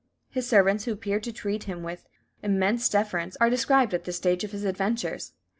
His servants, who appeared to treat him with immense deference, are described at this stage of his adventures.